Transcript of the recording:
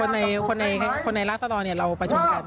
ใช่ค่ะคนในล่าสนเราประชุมกัน